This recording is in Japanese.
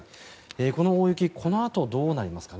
この大雪このあとどうなりますかね。